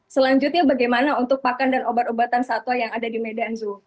selanjutnya bagaimana untuk pakan dan obat obatan satwa yang ada di medan zoo